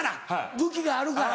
武器があるから。